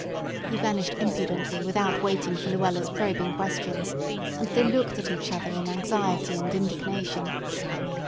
He vanished impudently without waiting for Luella's probing questions, and they looked at each other in anxiety and indignation.